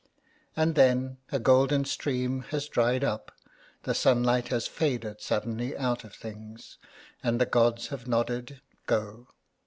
And then a golden stream has dried up, the sunlight has faded suddenly out of things, and the gods have nodded "Go."